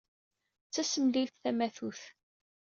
D tasemlilt tamatut.